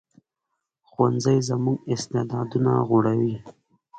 ښوونځی زموږ استعدادونه غوړوي